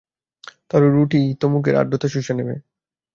তাহলে, রুটিই তো মুখের আর্দ্রতা শুষে নেবে।